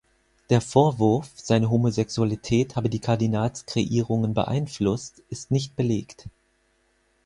Der Vorwurf, seine Homosexualität habe die Kardinalskreierungen beeinflusst, ist nicht belegt.